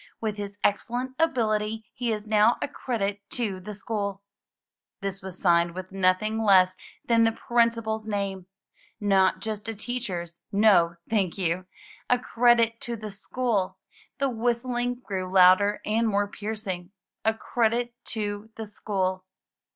With his excellent ability he is now a credit to the school.'' This was signed with nothing less than the Principars name. Not just a teacher's — ^no, thank you! A credit to the school. The whistling grew louder and more piercing. A credit to the school.